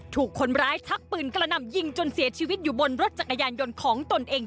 ถูกคนร้ายชักปืนกระหน่ำยิงจนเสียชีวิตอยู่บนรถจักรยานยนต์ของตนเอง